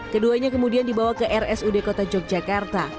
keduanya kemudian dibawa ke rsud kota yogyakarta